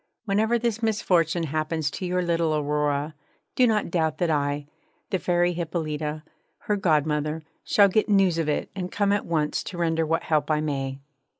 Whenever this misfortune happens to your little Aurora, do not doubt that I, the Fairy Hippolyta, her godmother, shall get news of it and come at once to render what help I may.'